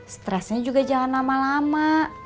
stresnya juga jangan lama lama